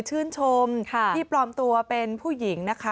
ชื่นชมที่ปลอมตัวเป็นผู้หญิงนะคะ